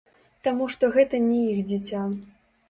Таму што гэта не іх дзіця.